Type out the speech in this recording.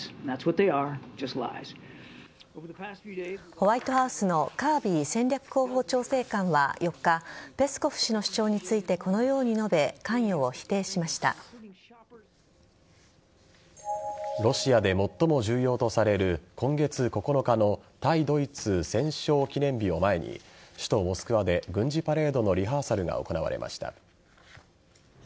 ホワイトハウスのカービー戦略広報調整官は４日ペスコフ氏の主張についてこのように述べロシアで最も重要とされる今月９日の対ドイツ戦勝記念日を前に首都・モスクワで軍事パレードのリハーサルが行われました。